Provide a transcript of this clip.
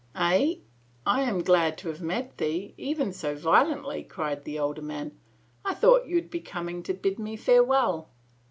" Eh, I am glad to have met thee — even so violently," cried the older man. " I thought you would be coming to bid me farewell."